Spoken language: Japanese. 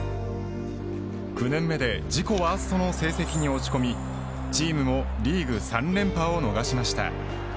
９年目で自己ワーストの成績に落ち込みチームもリーグ３連覇を逃しました。